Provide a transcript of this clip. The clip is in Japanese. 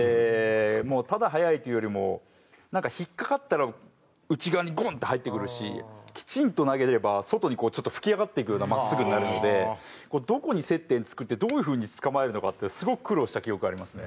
ただ速いというよりもなんか引っかかったら内側にゴン！って入ってくるしきちんと投げれば外に吹き上がっていくようなまっすぐになるのでどこに接点作ってどういう風に捕まえるのかってすごく苦労した記憶がありますね。